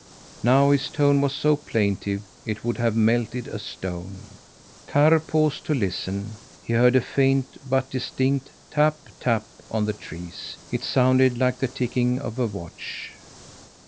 Now his tone was so plaintive it would have melted a stone. Karr paused to listen. He heard a faint but distinct "tap, tap," on the trees. It sounded like the ticking of a watch.